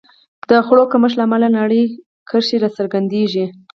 د خوړو کمښت له امله نرۍ کرښې راڅرګندېږي.